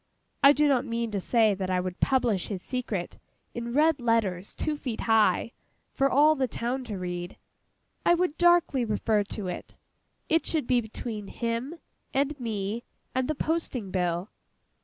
I do not mean to say that I would publish his secret, in red letters two feet high, for all the town to read: I would darkly refer to it. It should be between him, and me, and the Posting Bill.